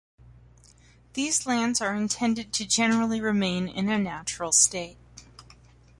These lands are intended to generally remain in a natural state.